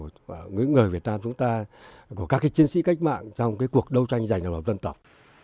những người việt nam chúng ta của các chiến sĩ cách mạng trong cái cuộc đấu tranh dành cho lòng dân tộc